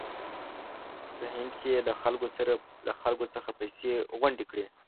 په هند کې یې له خلکو څخه پیسې غونډې کړې.